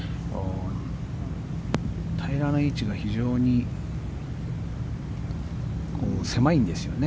平らな位置が非常に狭いんですよね